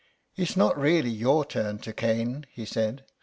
"It's not really your turn to cane," he said.